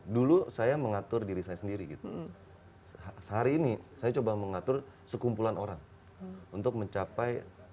dulu saya mengatur diri saya sendiri gitu sehari ini saya coba mengatur sekumpulan orang untuk mencapai